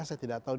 saya tidak tahu